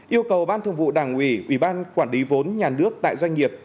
yêu cầu ban thường vụ đảng ủy ủy ban quản lý vốn nhà nước tại doanh nghiệp